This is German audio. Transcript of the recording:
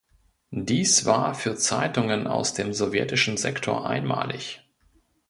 Dies war für Zeitungen aus dem sowjetischen Sektor einmalig.